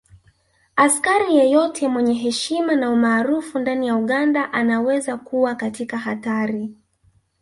Askari yeyote mwenye heshima na umaarufu ndani ya Uganda anaweza kuwa katika hatari